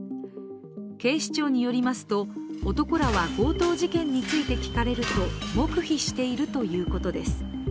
警視庁によりますと、男らは強盗事件について聞かれると黙秘しているということです。